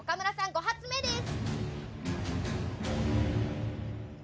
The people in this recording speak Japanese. ５発目です。